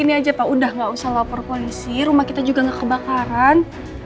ini aja pak udah gak usah lapor polisi rumah kita juga nggak kebakaran